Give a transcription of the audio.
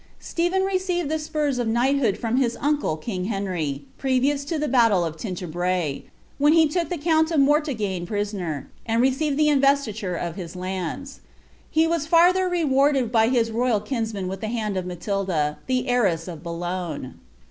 Stephen received the spurs of knighthood from his uncle king Henry, previous to the batde of Tinchebraye, where he took the count of Mor tigne prisoner, and received the investiture of his lands. He was farther rewaroed by his royal kinsman with the hand of Matilda, the heiress of Boulogne.